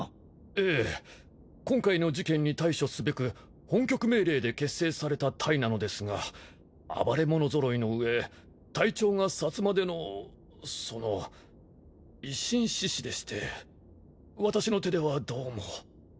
ええ今回の事件に対処すべく本局命令で結成された隊なのですが暴れ者揃いの上隊長が薩摩出のその維新志士でして私の手ではどうも。